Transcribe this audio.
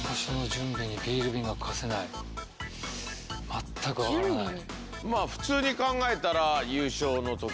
全く分からない。